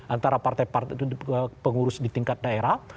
antara partai partai pengurus di tingkat daerah